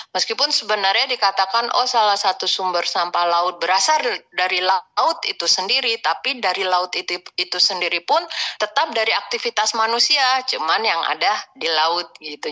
meskipun sebenarnya dikatakan oh salah satu sumber sampah laut berasal dari laut itu sendiri tapi dari laut itu sendiri pun tetap dari aktivitas manusia cuma yang ada di laut gitu